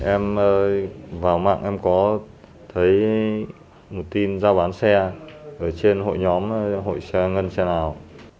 em vào mạng em có thấy một tin giao bán xe ở trên hội nhóm hội ngân xe nào